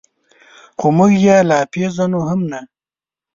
خو موږ یې لا پېژنو هم نه.